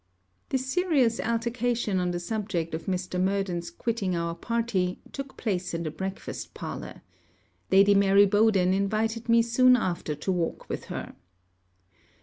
This serious altercation on the subject of Mr. Murden's quitting our party, took place in the breakfast parlour. Lady Mary Bowden invited me soon after to walk with her.